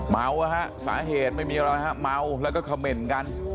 เมาฮะสาเหตุไม่มีอะไรฮะเมาแล้วก็เขม่นกัน